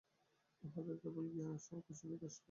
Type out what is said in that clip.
উহাদের কেবল জ্ঞানের সঙ্কোচ ও বিকাশ হয়।